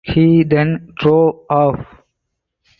He then drove off.